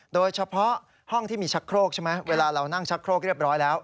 โดยเฉพาะห้องที่มีชักโครกใช่ไหมเวลาเรานั่งชักโครกเรียบร้อยแล้ว